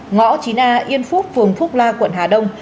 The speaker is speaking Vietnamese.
ngõ chín a yên phước phường phúc la quận hà đông